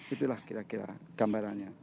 itulah kira kira gambarannya